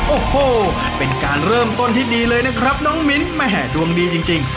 โอ้โหเป็นการเริ่มต้นที่ดีเลยนะครับน้องมิ้นแม่ดวงดีจริง